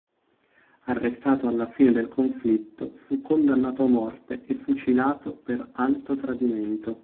Arrestato alla fine del conflitto, fu condannato a morte e fucilato per alto tradimento.